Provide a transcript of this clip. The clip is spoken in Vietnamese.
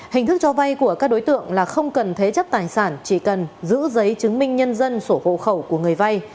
hình thức cho vay của các đối tượng là không cần thế chấp tài sản chỉ cần giữ giấy chứng minh nhân dân sổ hộ khẩu của người vay